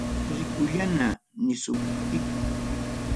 Rikullaña nisuptiki.